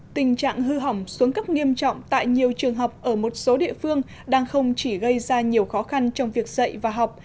tình trạng hư hỏng xuống cấp nghiêm trọng tại nhiều trường học ở một số địa phương đang không chỉ gây ra nhiều khó khăn trong việc dạy và học